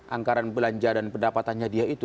anggaran belanja dan pendapatannya dia itu